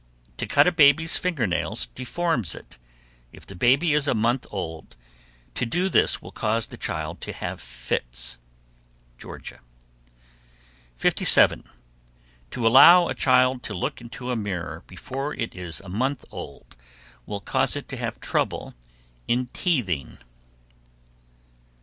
To cut a baby's finger nails deforms it; if the baby is a month old, to do this will cause the child to have fits. Georgia. 57. To allow a child to look into a mirror before it is a month old will cause it trouble in teething.